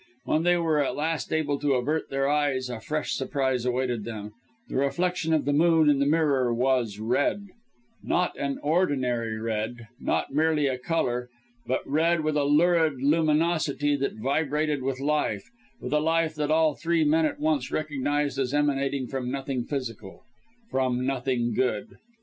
When they were at last able to avert their eyes a fresh surprise awaited them; the reflection of the moon in the mirror was red not an ordinary red not merely a colour but red with a lurid luminosity that vibrated with life with a life that all three men at once recognized as emanating from nothing physical from nothing good.